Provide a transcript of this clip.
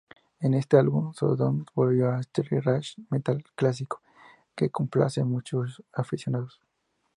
En este álbum, Sodom volvió al thrash metal clásico, que complace a muchos aficionados.